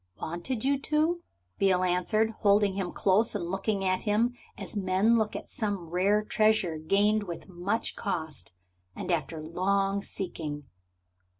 "Wanted you to?" Beale answered, holding him close, and looking at him as men look at some rare treasure gained with much cost and after long seeking.